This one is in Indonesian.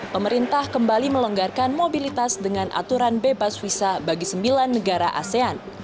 pemerintah kembali melonggarkan mobilitas dengan aturan bebas visa bagi sembilan negara asean